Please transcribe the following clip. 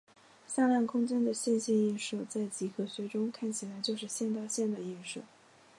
向量空间的线性映射在几何学中看起来就是线到线的映射。